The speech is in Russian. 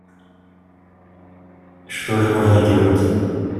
Что же нужно делать?